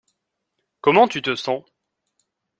Comment tu te sens?